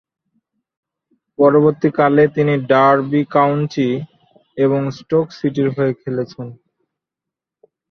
পরবর্তীকালে, তিনি Derby County এবং স্টোক সিটির হয়ে খেলেছেন।